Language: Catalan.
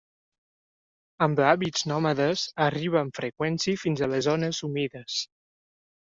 Amb hàbits nòmades, arriba amb freqüència fins a les zones humides.